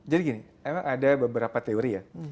jadi gini memang ada beberapa teori ya